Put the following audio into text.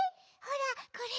ほらこれ。